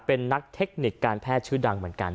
เป็นนักเทคนิคการแพทย์ชื่อดังเหมือนกัน